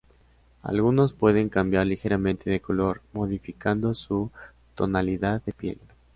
Algunos pueden cambiar ligeramente de color, modificando su tonalidad de piel.